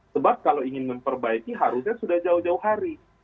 sebab kalau ingin memperbaiki harusnya sudah jauh jauh hari